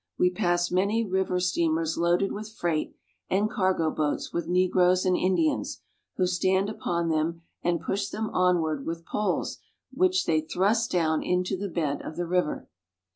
We pass many river steamers loaded with freight, and cargo boats with negroes and Indians, who stand upon them and push them onward with poles which they thrust down into the bed of the river.